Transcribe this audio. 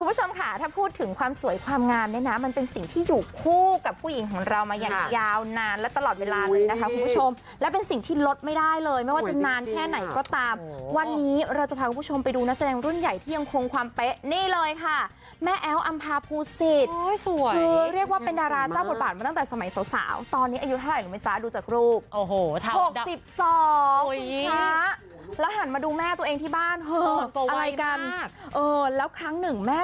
คุณผู้ชมค่ะถ้าพูดถึงความสวยความงามเนี้ยนะมันเป็นสิ่งที่อยู่คู่กับผู้หญิงของเรามาอย่างยาวนานและตลอดเวลาหนึ่งนะคะคุณผู้ชมและเป็นสิ่งที่ลดไม่ได้เลยไม่ว่าจะนานแค่ไหนก็ตามวันนี้เราจะพาคุณผู้ชมไปดูนักแสดงรุ่นใหญ่ที่ยังคงความเป๊ะนี่เลยค่ะแม่แอลอัมภาภูสิตคือเรียกว่าเป็นดาราเจ้าบทบาทมา